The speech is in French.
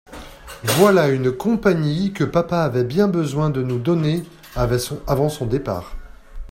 Voilà une compagnie que papa avait bien besoin de nous donner avant son départ !